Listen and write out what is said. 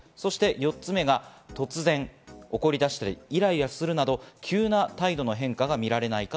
そして４つ目が、突然怒り出したり、イライラするなど急な態度の変化が見られないか。